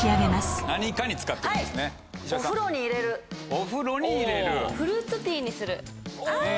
お風呂に入れる。